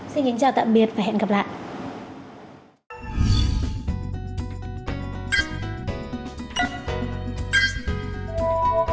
xin chào tạm biệt và hẹn gặp lại